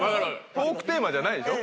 トークテーマじゃないでしょ？